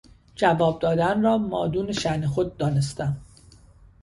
جواب دادن را مادون شان خود دانستم.